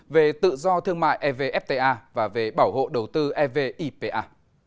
về tự do thương mại evfta và về bảo hộ đầu tư evipa